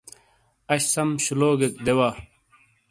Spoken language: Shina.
اش سم شولوگیک دے وا۔